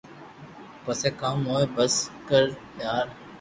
پسي ڪاوُ ھوئي بس ڪر ٽار